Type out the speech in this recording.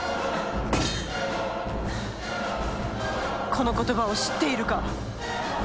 この言葉を知っているか。